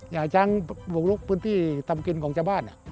อย่าช้างบุกลุกพื้นที่ทำกินของชาวบ้าน